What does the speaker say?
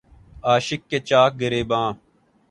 عاشق کے چاک گریباں